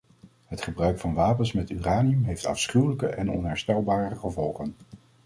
Het gebruik van wapens met uranium heeft afschuwelijke en onherstelbare gevolgen.